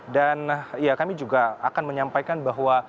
dan ya kami juga akan menyampaikan bahwa